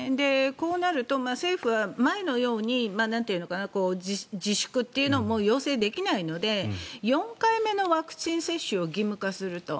こうなると政府は前のように自粛というのも要請できないので４回目のワクチン接種を義務化すると。